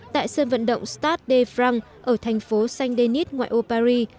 tại sân vận động stade de france ở thành phố saint denis ngoài ô paris